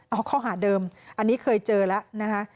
เอาข้อหาเดิมอันนี้เคยเจอแล้วนะคะ